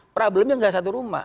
problemnya gak satu rumah